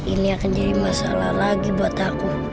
ini akan jadi masalah lagi buat aku